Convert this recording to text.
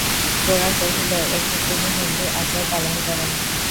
গোরা কহিল, এখন তিনি হিন্দু-আচার পালন করেন।